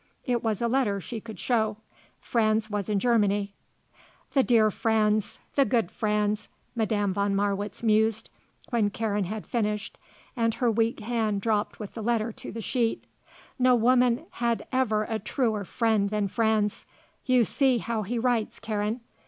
It was a letter she could show. Franz was in Germany. "The dear Franz. The good Franz," Madame von Marwitz mused, when Karen had finished and her weak hand dropped with the letter to the sheet. "No woman had ever a truer friend than Franz. You see how he writes, Karen.